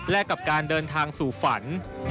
และกับการเดินทางสู่ฝัน